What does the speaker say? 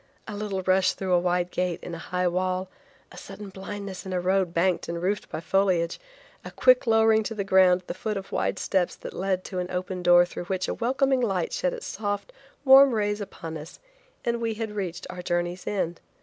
A little rush through a wide gate in a high wall, a sudden blindness in a road banked and roofed by foliage, a quick lowering to the ground at the foot of wide steps that led to an open door through which a welcoming light shed its soft, warm rays upon us and we had reached our journey's end.